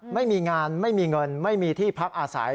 ไม่มีงานไม่มีเงินไม่มีที่พักอาศัย